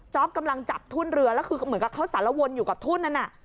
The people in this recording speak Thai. กำลังจับทุ่นเรือแล้วคือเหมือนกับเขาสารวนอยู่กับทุ่นนั้นน่ะ